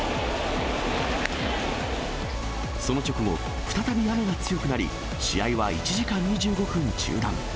その直後、再び雨が強くなり、試合は１時間２５分、中断。